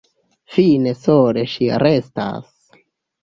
Fine sole ŝi restas.